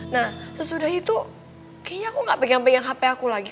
nah sesudah itu kayaknya aku gak pegang pegang hp aku lagi